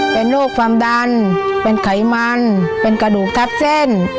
เป็นโรคความดันเป็นไขมันเป็นกระดูกทับเส้น